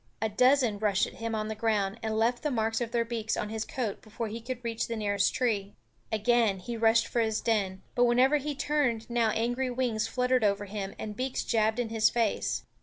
A dozen rushed at him on the ground and left the marks of their beaks on his coat before he could reach the nearest tree. Again he rushed for his den, but wherever he turned now angry wings fluttered over him and beaks jabbed in his face.